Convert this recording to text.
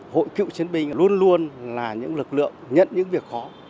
hội cựu chiến binh luôn luôn là những lực lượng nhận những việc khó